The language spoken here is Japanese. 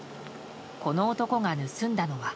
この男が盗んだのは。